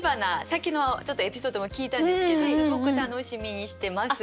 さっきのちょっとエピソードも聞いたんですけどすごく楽しみにしてます。